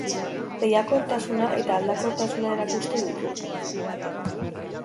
Lehiakortasuna eta aldakortasuna erakusten ditu.